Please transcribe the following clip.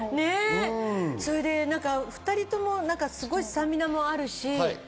それで２人ともスタミナもあるし。